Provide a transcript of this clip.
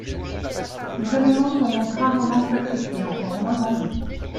Les animaux sont donc rarement sacrifiés, encore moins vendus.